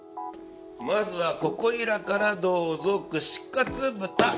まずはここいらからどうぞ串カツ豚！